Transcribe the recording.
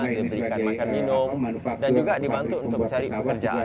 diberikan makan minum dan juga dibantu untuk mencari pekerjaan